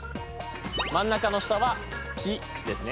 真ん中の下は「つき」ですね。